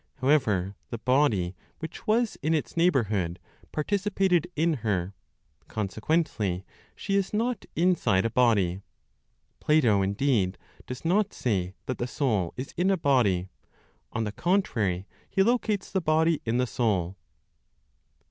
However, the body, which was in its neighborhood, participated in her, consequently, she is not inside a body. Plato, indeed, does not say that the soul is in a body; on the contrary, he locates the body in the soul.